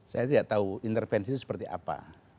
saya tidak tahu intervensi itu seperti apa